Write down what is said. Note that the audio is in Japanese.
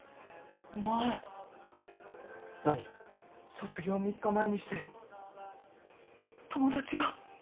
卒業３日前にして友達が。